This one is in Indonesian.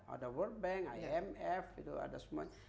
ada world bank imf itu ada semuanya